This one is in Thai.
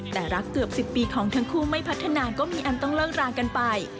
แต่รักเกือบ๑๐ปีของทั้งคู่ไม่พัฒนาก็มีอันต้องเลิกรากันไป